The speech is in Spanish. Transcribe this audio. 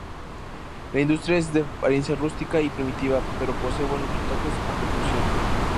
La industria es de apariencia rústica y primitiva pero posee buenos retoques a percusión.